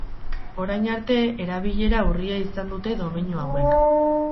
Orain arte erabilera urria izan dute domeinu hauek.